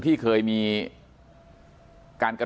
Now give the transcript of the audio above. มีคลิปก่อนนะครับ